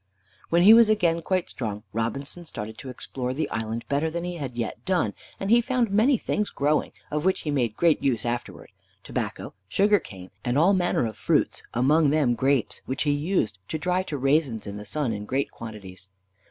When he was again quite strong, Robinson started to explore the island better than he had yet done, and he found many things growing, of which he made great use afterwards, tobacco, sugar cane, and all manner of fruits, among them grapes, which he used to dry to raisins in the sun in great quantities.